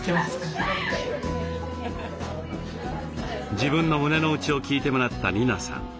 自分の胸の内を聞いてもらったりなさん